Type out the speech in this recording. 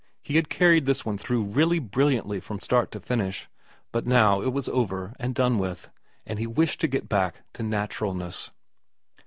He had carried this one through really brilliantly from start to finish, but now it was over and done with, and he wished to get back to naturalness.